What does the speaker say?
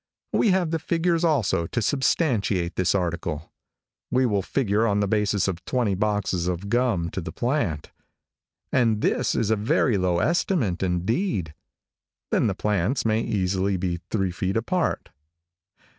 We have the figures, also, to substantiate this article. We will figure on the basis of twenty boxes of gum to the plant and this is a very low estimate, indeed then the plants may easily be three feet apart.